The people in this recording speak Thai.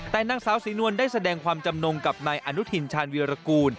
แต่นางสาวศรีนวลได้แสดงความจำนงกับนายอนุทินชาญวีรกูล